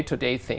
sự lãng phí